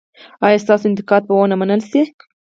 ایا ستاسو انتقاد به و نه منل شي؟